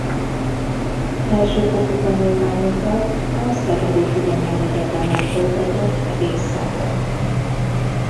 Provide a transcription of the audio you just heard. Felsőfokú tanulmányokat a Szegedi Tudományegyetemen folytatott vegyész szakon.